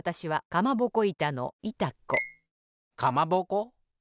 かまぼこ？